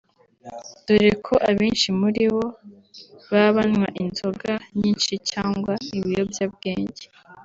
dore ko abenshi muri bo baba bananywa inzoga nyinshi cyangwa ibiyobyabwenge